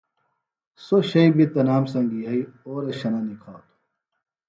سوۡ شئیۡ بیۡ تنام سنگیۡ یھئی اورہ شنہ نِکھاتوۡ